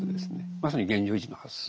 まさに現状維持の発想。